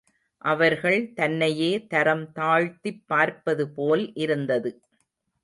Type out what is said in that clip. அவர்கள் தன்னையே தரம் தாழ்த்திப் பார்ப்பதுபோல் இருந்தது.